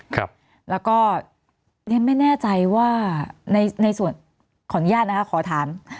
แล้วก็ยังไม่แน่ใจว่าขออนุญาตนะคะขอถาม